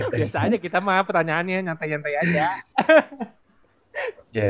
biasanya kita mah pertanyaannya nyantai nyantai aja